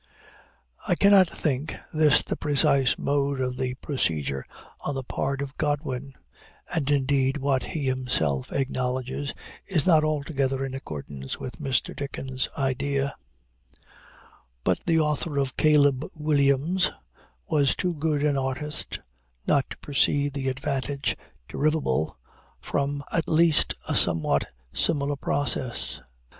I cannot think this the precise mode of procedure on the part of Godwin and indeed what he himself acknowledges, is not altogether in accordance with Mr. Dickens' idea but the author of Caleb Williams was too good an artist not to perceive the advantage derivable from at least a somewhat similar process.